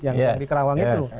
yang di kerawang itu